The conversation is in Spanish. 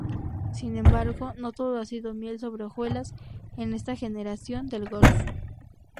Sin embargo, no todo ha sido miel sobre hojuelas en esta generación del Golf.